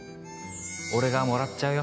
俺がもらっちゃうよ